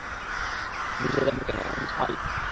মির্জা যাবে কেন, উনি তো মালিক।